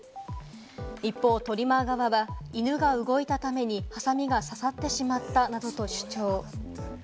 一方、トリマー側は犬が動いたために、はさみが刺さってしまった、などと主張。